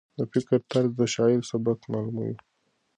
د فکر طرز د شاعر سبک معلوموي.